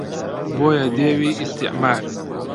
بۆیە دێوی ئیستیعمار